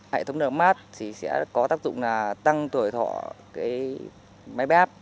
hệ thống nem mát thì sẽ có tác dụng là tăng tuổi thọ cái máy bép